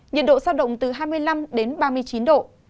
nhiệt độ sao động từ hai mươi năm ba mươi chín độ